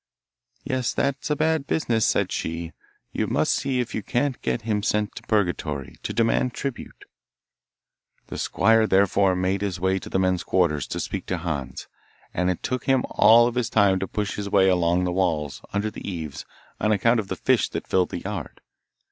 'Yes, that's a bad business,' said she; 'you must see if you can't get him sent to Purgatory, to demand tribute.' The squire therefore made his way to the men's quarters, to speak to Hans, and it took him all his time to push his way along the walls, under the eaves, on account of the fish that filled the yard.